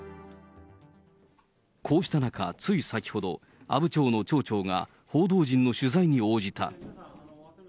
こうした中、つい先ほど、阿武町の町長が報道陣の取材に応じた。